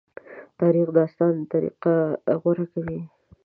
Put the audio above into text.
تاریخي داستان طریقه غوره کوي.